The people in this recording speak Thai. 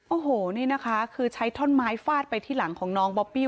โอ้โหนี่นะคะคือใช้ท่อนไม้ฟาดไปที่หลังของน้องบอบบี้